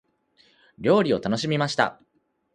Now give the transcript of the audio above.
料理を楽しみました。